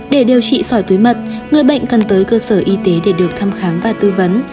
để điều trị sỏi túi mật người bệnh cần tới cơ sở y tế để được thăm khám và tư vấn